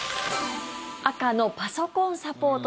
赤のパソコンサポート